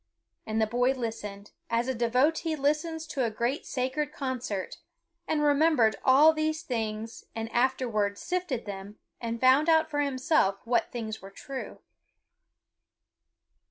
And the boy listened, as a devotee listens to a great sacred concert, and remembered all these things and afterwards sifted them and found out for himself what things were true.